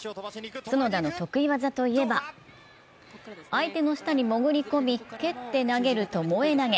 角田の得意技といえば、相手の下にもぐり込み、蹴って投げるともえ投げ。